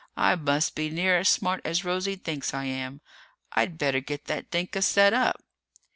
I must be near as smart as Rosie thinks I am! I'd better get that dinkus set up!"